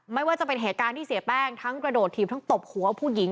ไม่ว่าจะเป็นเหตุการณ์ที่เสียแป้งทั้งกระโดดถีบทั้งตบหัวผู้หญิง